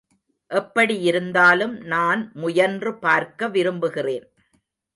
எப்படியிருந்தாலும் நான் முயன்று பார்க்க விரும்புகிறேன்.